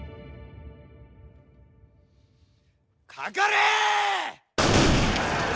かかれ！